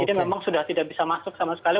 ini memang sudah tidak bisa masuk sama sekali